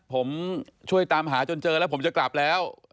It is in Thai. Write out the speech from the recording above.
ผมช่วยตามหาจนเจอแล้วผมจะกลับแล้ว